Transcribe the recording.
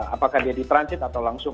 apakah dia di transit atau langsung